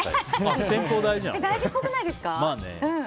大事っぽくないですか？